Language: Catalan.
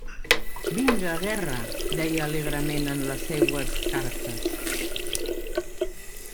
«Vinga guerra!», deia alegrement en les seues cartes.